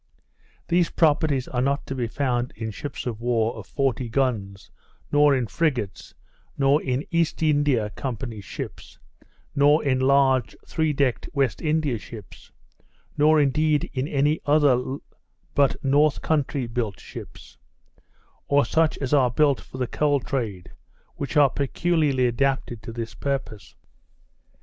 These properties are not to be found in ships of war of forty guns, nor in frigates, nor in East India Company's ships, nor in large three decked West India ships, nor indeed in any other but North country built ships, or such as are built for the coal trade, which are peculiarly adapted to this purpose.